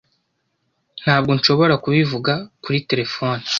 Ntabwo nshobora kubivuga kuri terefone